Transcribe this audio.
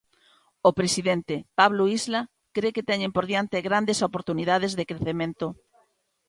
O presidente, Pablo Isla, cre que teñen por diante grandes oportunidades de crecemento.